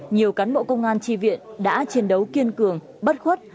nhiều cán bộ công an tri viện đã chiến đấu kiên cường bất khuất